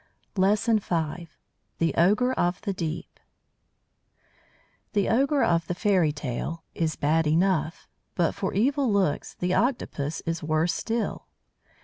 LESSON V THE OGRE OF THE DEEP The ogre of the fairy tale is bad enough, but, for evil looks, the Octopus is worse still.